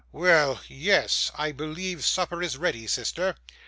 'Well yes I believe supper is ready, sister.